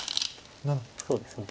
そうですね。